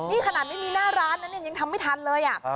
นี่ขนาดไม่มีหน้าร้านนะเนี่ยยังทำไม่ทันเลย